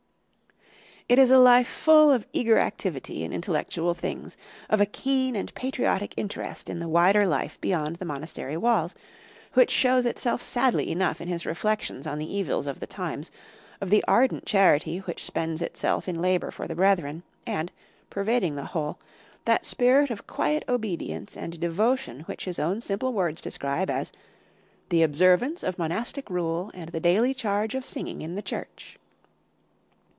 It is a life full of eager activity in intellectual things, of a keen and patriotic interest in the wider life beyond the monastery walls, which shows itself sadly enough in his reflections on the evils of the times, of the ardent charity which spends itself in labour for the brethren, and, pervading the whole, that spirit of quiet obedience and devotion which his own simple words describe as "the observance of monastic rule and the daily charge of singing in the Church."